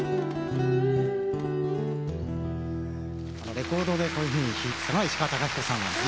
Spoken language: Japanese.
レコードでこういうふうに弾いてたのは石川鷹彦さんなんですね。